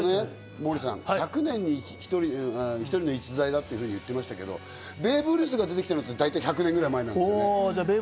さっきね、モーリーさん、１００年に１人の逸材だと言ってましたけど、ベーブ・ルースが出てきたのって大体１００年ぐらい前。